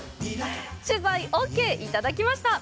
取材オーケーいただきました！